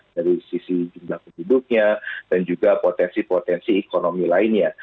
dari sisi jumlah penduduknya dan juga potensi potensi ekonomi lainnya